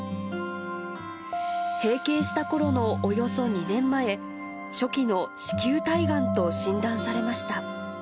閉経したころのおよそ２年前、初期の子宮体がんと診断されました。